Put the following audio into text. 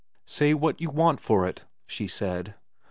"Say what you want for it," she said.